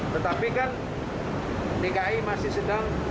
tetapi kan dki masih sedang